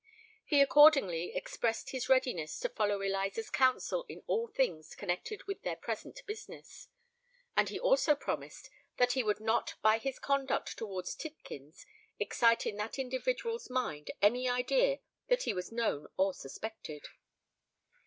He accordingly expressed his readiness to follow Eliza's counsel in all things connected with their present business; and he also promised that he would not by his conduct towards Tidkins excite in that individual's mind any idea that he was known or suspected.